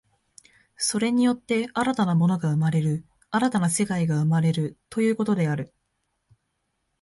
それによって新たな物が生まれる、新たな世界が生まれるということである。